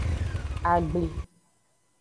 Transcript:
Agbli.